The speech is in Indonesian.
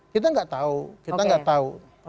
kita gak tahu